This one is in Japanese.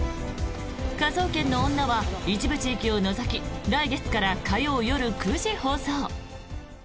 「科捜研の女」は一部地域を除き来月から火曜夜９時放送。